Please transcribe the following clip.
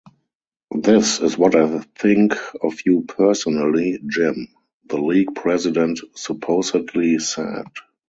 "This is what I think of you personally, Jim", the league president supposedly said.